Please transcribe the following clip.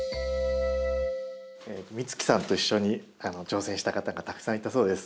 美月さんと一緒に挑戦した方がたくさんいたそうです。